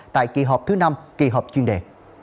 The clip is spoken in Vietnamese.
tại kỳ họp thứ năm kỳ họp chuyên đề